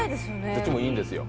どっちもいいんですよ